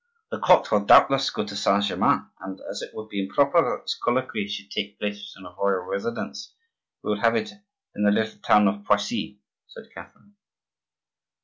"The court will doubtless go to Saint Germain, and as it would be improper that this colloquy should take place in a royal residence, we will have it in the little town of Poissy," said Catherine.